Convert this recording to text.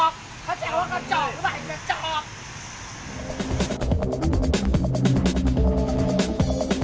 พี่ด๋าก